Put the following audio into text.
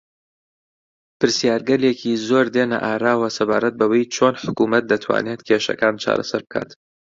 پرسیارگەلێکی زۆر دێنە ئاراوە سەبارەت بەوەی چۆن حکوومەت دەتوانێت کێشەکان چارەسەر بکات